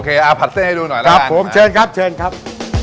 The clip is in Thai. เอาผัดเต้ให้ดูหน่อยครับผมเชิญครับเชิญครับ